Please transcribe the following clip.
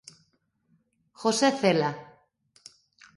José Cela.